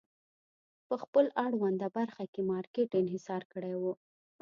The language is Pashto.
په خپل اړونده برخه کې مارکېټ انحصار کړی و.